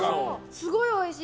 すごいおいしい！